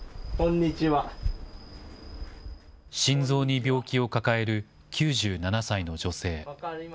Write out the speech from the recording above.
心臓に病気を抱える９７歳の女性。